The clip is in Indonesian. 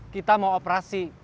kita mau operasi